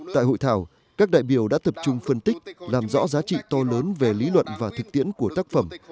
tại hội thảo các đại biểu đã tập trung phân tích làm rõ giá trị to lớn về lý luận và thực tiễn của tác phẩm